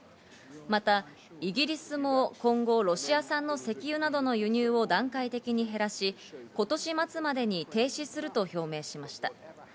またイギリスも今後、ロシア産の石油などの輸入を段階的に減らし、今年末までに停止すると表明しました。